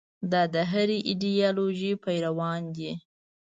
دا د هرې ایدیالوژۍ پیروانو ده.